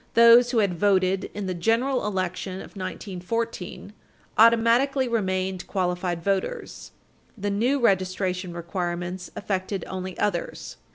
Those who had voted in the general election of 1914 automatically remained qualified voters. The new registration requirements affected only others.